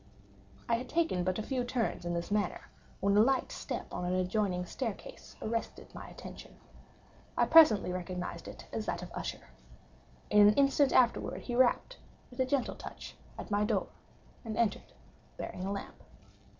I had taken but few turns in this manner, when a light step on an adjoining staircase arrested my attention. I presently recognised it as that of Usher. In an instant afterward he rapped, with a gentle touch, at my door, and entered, bearing a lamp.